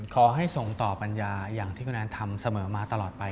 ขอให้ส่งต่อปัญญาอย่างที่คุณแอนทำเสมอมาตลอดไป